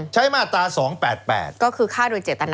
ใช้มาตราสองแปดแปดก็คือฆ่าโดยเจตนะ